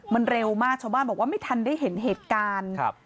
มันเร็วมากชาวบ้านบอกว่าไม่ทันได้เห็นเหตุการณ์ครับ